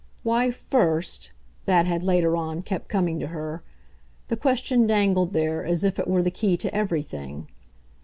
Why FIRST that had, later on, kept coming to her; the question dangled there as if it were the key to everything.